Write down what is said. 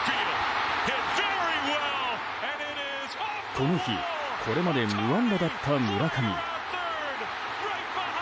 この日これまで無安打だった村上。